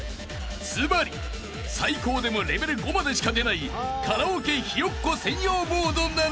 ［つまり最高でもレベル５までしか出ないカラオケひよっこ専用モードなのだ］